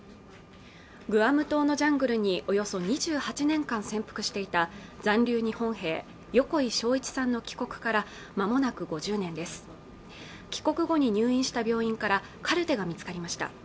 グアム島のジャングルにおよそ２８年間潜伏していた残留日本兵横井庄一さんの帰国からまもなく５０年です帰国後に入院した病院からカルテが見つかりました